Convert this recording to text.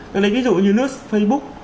tôi lấy ví dụ như lướt facebook